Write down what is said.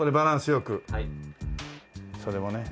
それをね